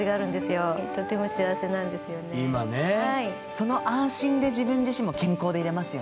その安心で自分自身も健康でいれますよね。